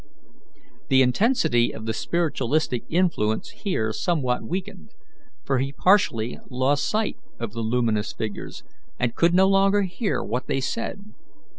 The intensity of the spiritualistic influence here somewhat weakened, for he partially lost sight of the luminous figures, and could no longer hear what they said.